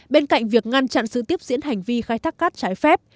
bên cạnh việc ngăn chặn sự tiếp diễn hành vi khai thác cát trái phép